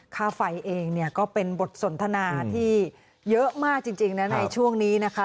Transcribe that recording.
ค่าไฟเองเนี่ยก็เป็นบทสนทนาที่เยอะมากจริงนะในช่วงนี้นะคะ